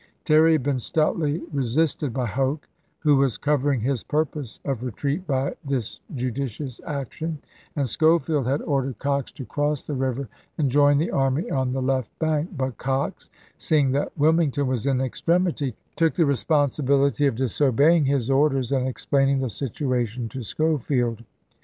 Terry had been stoutly resisted by Hoke — who was covering his purpose of retreat by this judicious action — and Schofield had ordered Cox to cross the river and join the army on the left bank ; but Cox, seeing that Wil mington was in extremity, took the responsibility of disobeying his orders and explaining the situa tion to Schofield.